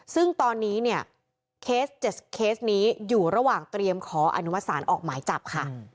ซึ่งตอนนี้เนี่ยเคส๗เคสนี้อยู่ระหว่างเตรียมขออนุมัติศาลออกหมายจับค่ะ